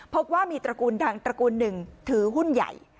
พบว่ามีตระกูลดังตระกูลหนึ่งถือหุ้นใหญ่